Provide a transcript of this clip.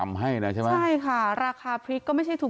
ไม่ใช่แค่เขาสนุกแค่คนเดียว